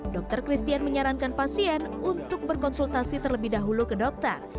dokter christian menyarankan pasien untuk berkonsultasi terlebih dahulu ke dokter